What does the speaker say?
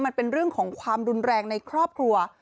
มันเป็นเรื่องของความรุนแรงในครอบครัว